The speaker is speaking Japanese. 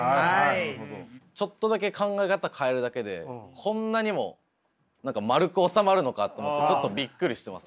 ちょっとだけ考え方変えるだけでこんなにもまるく収まるのかと思ってちょっとびっくりしてます。